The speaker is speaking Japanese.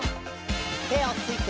てをついて。